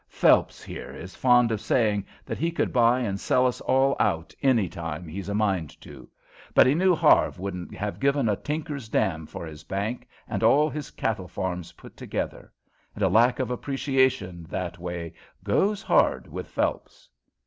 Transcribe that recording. Phelps, here, is fond of saying that he could buy and sell us all out any time he's a mind to; but he knew Harve wouldn't have given a tinker's damn for his bank and all his cattlefarms put together; and a lack of appreciation, that way, goes hard with Phelps.